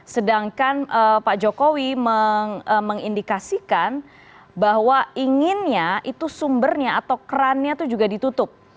sedangkan pak jokowi mengindikasikan bahwa inginnya itu sumbernya atau kerannya itu juga ditutup